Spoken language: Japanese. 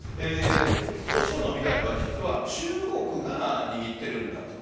ロシアの未来は実は中国が握っているんだと。